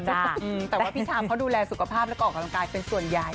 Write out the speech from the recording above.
แต่ว่าพี่ชามเขาดูแลสุขภาพแล้วก็ออกกำลังกายเป็นส่วนใหญ่